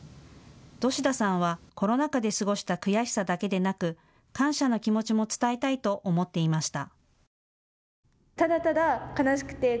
土信田さんはコロナ禍で過ごした悔しさだけでなく感謝の気持ちも伝えたいと思っていました。